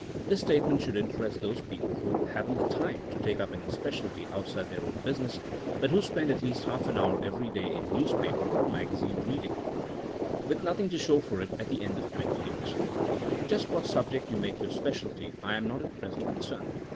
^ This statement should interest those people who *' haven't the time '* to take up any specialty outside their own business, but who spend at least half an hour every day in newspaper or magazine reading — 6 Edward Griggs, Th§ Use of the Mwrgm. THINKINO AS A SOIENOE 189 with nothing to show for it at the end of twenty years. Jnst what subject yon make your specialty I am not at present concerned.